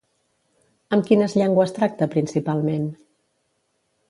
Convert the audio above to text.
Amb quines llengües tracta principalment?